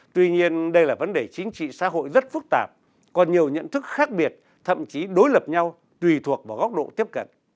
tuy nhiên đây là vấn đề chính trị xã hội rất phức tạp còn nhiều nhận thức khác biệt thậm chí đối lập nhau tùy thuộc vào góc độ tiếp cận